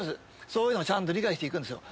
そういうのもちゃんと理解していくんですよ。